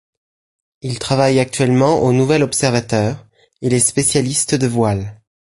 Il travaille actuellement au Nouvel Observateur, il est spécialiste de voiles.